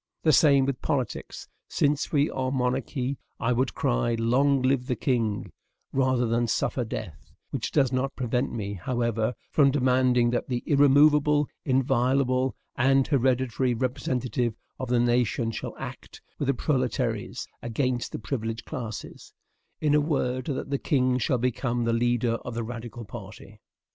The same with politics. Since we are a monarchy, I would cry, "LONG LIVE THE KING," rather than suffer death; which does not prevent me, however, from demanding that the irremovable, inviolable, and hereditary representative of the nation shall act with the proletaires against the privileged classes; in a word, that the king shall become the leader of the radical party.